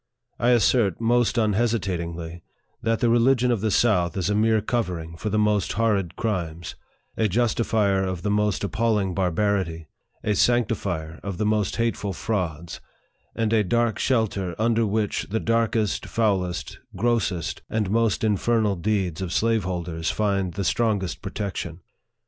I assert most unhesitatingly, that the religion of the south is a mere covering for the most horrid crimes, a justifier of the most appalling barbarity, a sanctifier of the most hateful frauds, and a dark shelter under, which the darkest, foulest, grossest, and most infernal deeds of slaveholders find the strongest protection.